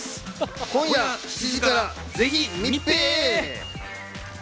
今夜７時から、ぜひ見て！